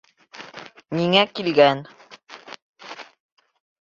Ниңә килгән?